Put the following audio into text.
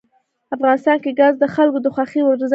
افغانستان کې ګاز د خلکو د خوښې وړ ځای دی.